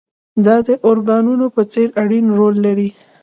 دا د ارګانونو په څېر اړين رول لري.